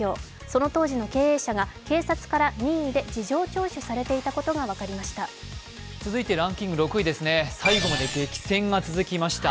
その当時の経営者が警察から任意で事情聴取されていたことが分かりました。